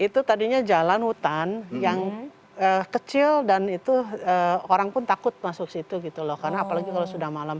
itu tadinya jalan hutan yang kecil dan itu orang pun takut masuk situ gitu loh karena apalagi kalau sudah malam